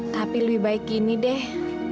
tapi lebih baik gini deh